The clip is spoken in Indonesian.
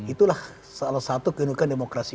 itulah salah satu kedudukan demokrasi